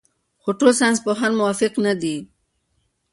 خو ټول ساینسپوهان موافق نه دي.